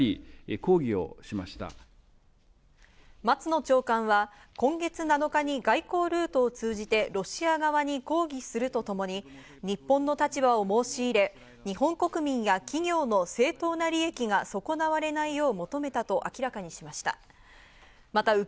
松野長官は今月７日に外交ルートを通じてロシア側に抗議するとともに、日本の立場を申し入れ、日本国民や企業の正当な利益が損なわれないよう求めたと明らかにしました。